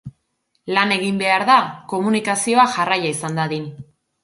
Lan egin behar da komunikazioa jarraia izan dadin.